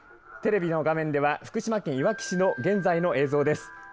テレビの画面では福島県いわき市の現在の映像です。